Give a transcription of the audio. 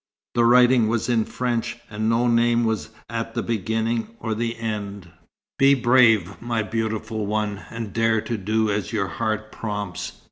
The writing was in French, and no name was at the beginning or the end. "Be brave, my beautiful one, and dare to do as your heart prompts.